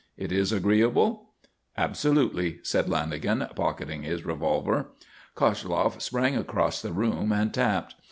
It is agreeable?" "Absolutely," said Lanagan, pocketing his revolver. Koshloff sprang across the room and tapped.